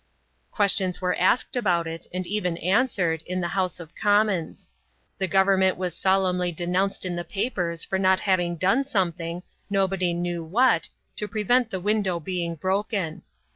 Questions were asked about it, and even answered, in the House of Commons. The Government was solemnly denounced in the papers for not having done something, nobody knew what, to prevent the window being broken.